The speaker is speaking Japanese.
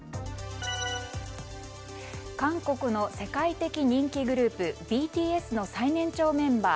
韓国の世界的人気グループＢＴＳの最年長メンバー